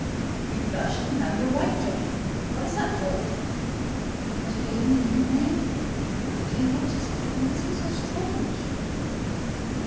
"You blushed, and now you are white, Jane: what is that for?" "Because you gave me a new name—Jane Rochester; and it seems so strange."